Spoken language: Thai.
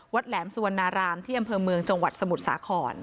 แหลมสุวรรณารามที่อำเภอเมืองจังหวัดสมุทรสาคร